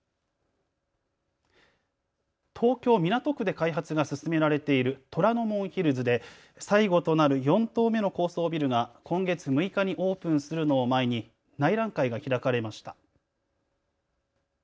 東京港区で開発が進められている虎ノ門ヒルズで最後となる４棟目の高層ビルが今月６日にオープンするのを前に内覧会が開かれました。